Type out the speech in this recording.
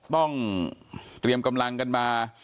ต้องเตรียมกำลังกันมา